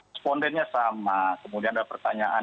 respondennya sama kemudian ada pertanyaan